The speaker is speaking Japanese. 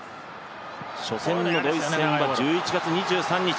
初戦のドイツ戦は１１月２３日。